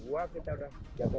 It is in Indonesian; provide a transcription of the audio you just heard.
dua kita udah jaga jaga